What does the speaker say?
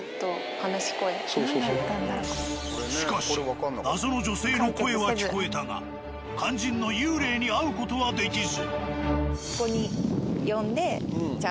しかし謎の女性の声は聞こえたが肝心の幽霊に会う事はできず。